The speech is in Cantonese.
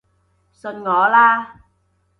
信我啦